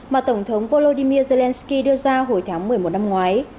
mà tổng thống volodymyr zelensky đưa ra hồi tháng một mươi một năm ngoái